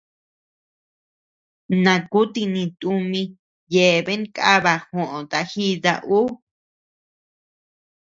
Nakuti ni tumi yeabean kaba joʼota jita ü.